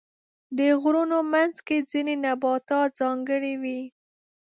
د غرونو منځ کې ځینې نباتات ځانګړي وي.